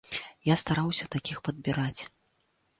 Я стараўся такіх падбіраць.